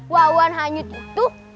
wahwan hanyut itu